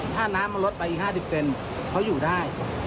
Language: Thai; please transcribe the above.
ถ้าน้ำมันลดไปอีก๕๐เซนเขาอยู่ได้